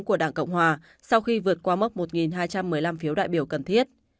của đảng cộng hòa sau khi vượt qua mốc một hai trăm một mươi năm phiếu đại biểu cần thiết